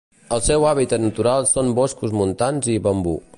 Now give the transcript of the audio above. El seu hàbitat natural són boscos montans i bambú.